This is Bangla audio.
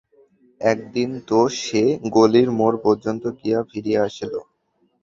একদিন তো সে গলির মোড় পর্যন্ত গিয়া ফিরিয়া আসিল।